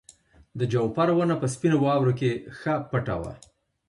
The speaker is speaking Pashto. د جوپر ونه په سپینو واورو کې ښه پټه وه.